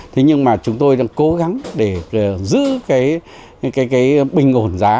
thế nhưng mà chúng tôi đang cố gắng để giữ cái bình ổn giá